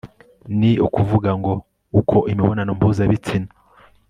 ni ukuvuga ngo, uko imibonano mpuzabitsina